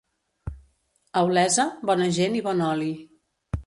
A Olesa, bona gent i bon oli.